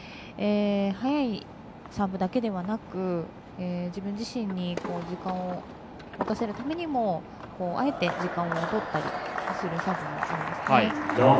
速いサーブだけではなく自分自身に時間を持たせるためにもあえて時間をとったりするサーブもありますね。